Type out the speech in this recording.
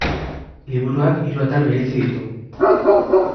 Liburuak hiru atal bereizi ditu.